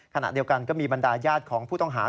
ขณะเดียวกันก็มีบรรดาญาติของผู้ต้องหา